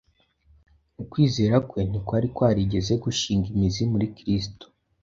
Ukwizera kwe ntikwari kwarigeze gushinga imizi muri Kristo